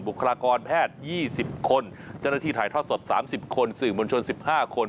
คลากรแพทย์๒๐คนเจ้าหน้าที่ถ่ายทอดสด๓๐คนสื่อมวลชน๑๕คน